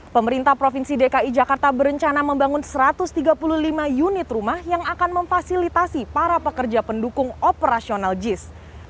pemerintah provinsi dki jakarta berencana membangun satu ratus tiga puluh lima unit rumah yang akan memfasilitasi para pekerja pendukung operasional jis